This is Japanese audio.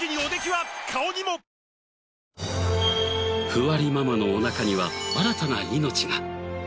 ふわりママのおなかには新たな命が。